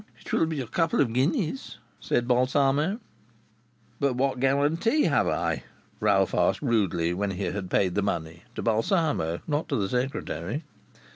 "It will be a couple of guineas," said Balsamo. "But what guarantee have I?" Ralph asked rudely, when he had paid the money to Balsamo, not to the secretary.